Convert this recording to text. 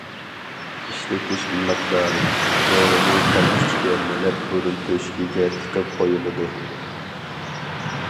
ئىشلىتىش مىقدارى: دورىنى پەلكۈچكە مىلەپ بۇرۇن تۆشۈكىگە تىقىپ قويۇلىدۇ.